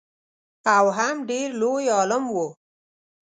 او هم ډېر لوی عالم و.